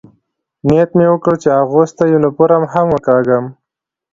نیت مې وکړ، چې اغوستی یونیفورم هم وکاږم.